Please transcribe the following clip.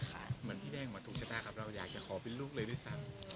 เหมือนพี่แดงมาถูกชะตากับเราอยากจะขอเป็นลูกเลยด้วยสัก